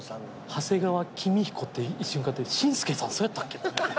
長谷川公彦って一瞬浮かんで「紳助さんそうやったっけ？」。